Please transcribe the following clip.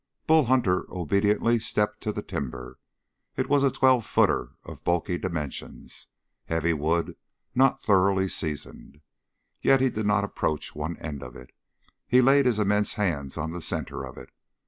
Bull Hunter obediently stepped to the timber. It was a twelve footer of bulky dimensions, heavy wood not thoroughly seasoned. Yet he did not approach one end of it. He laid his immense hands on the center of it.